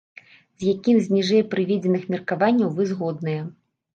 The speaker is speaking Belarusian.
З якім з ніжэй прыведзеных меркаванняў вы згодныя?